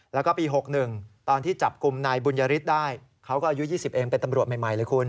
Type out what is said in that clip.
แล้วก็ปี๖๑ตอนที่จับกลุ่มนายบุญยฤทธิ์ได้เขาก็อายุ๒๐เองเป็นตำรวจใหม่เลยคุณ